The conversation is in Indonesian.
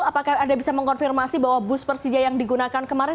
apakah anda bisa mengkonfirmasi bahwa bus persija yang digunakan kemarin